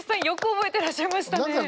よく覚えてらっしゃいましたね。